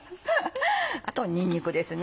あとにんにくです。